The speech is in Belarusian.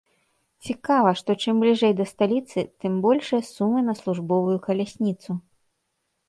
Цікава, што чым бліжэй да сталіцы, тым большыя сумы на службовую калясніцу.